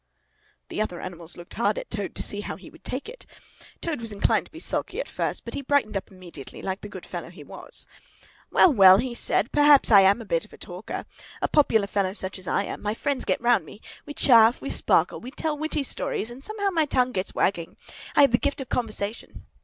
'" The other animals looked hard at Toad to see how he would take it. Toad was inclined to be sulky at first; but he brightened up immediately, like the good fellow he was. "Well, well," he said; "perhaps I am a bit of a talker. A popular fellow such as I am—my friends get round me—we chaff, we sparkle, we tell witty stories—and somehow my tongue gets wagging. I have the gift of conversation.